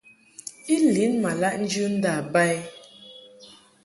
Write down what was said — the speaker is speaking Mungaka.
I lin ma laʼ njɨ nda ba i.